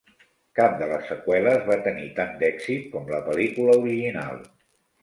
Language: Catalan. Cap de les seqüeles va tenir tant d'èxit com la pel·lícula original.